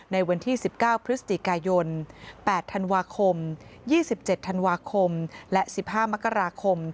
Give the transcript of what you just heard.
ในวันที่๑๙พฤศจิกายน๘ธันวาคม๒๗ธันวาคมและ๑๕มกราคม